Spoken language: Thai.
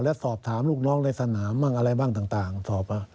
และสอบถามลูกน้องในสนามบ้างอะไรบ้างต่างสอบ